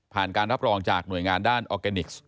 การรับรองจากหน่วยงานด้านออร์แกนิค